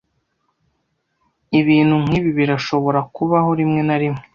Ibintu nkibi birashobora kubaho rimwe na rimwe.